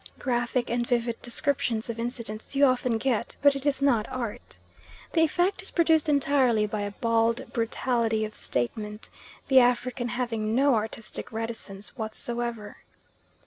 Graphic and vivid descriptions of incidents you often get, but it is not Art. The effect is produced entirely by a bald brutality of statement, the African having no artistic reticence whatsoever.